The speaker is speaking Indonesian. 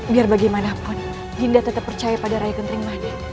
biar bagaimanapun dinda tetap percaya pada rai ketering manik